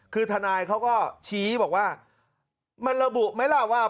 คือทนายเขาก็ชี้บอกว่ามันระบุไหมล่ะว่า